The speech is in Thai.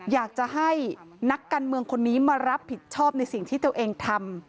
อยากจะให้นักการเมืองคนนี้มารับผิดชอบในสิ่งที่ตัวเองทำ